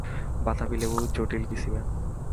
বাতাবী-লেবু জটিল কিসিমের।